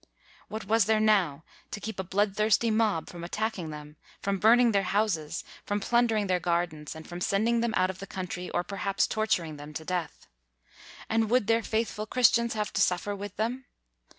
What was there now to keep a bloodthirsty mob from attack ing them, from burning their houses, from plundering their gardens, and from sending them out of the country or perhaps tortur ing them to death ? And would their faith ful Christians have to suffer with them'?